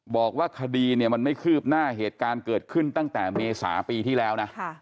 บอกว่าคดีมันไม่คืบหน้าเกิดขึ้นตั้งแต่เมษาปีที่แล้ว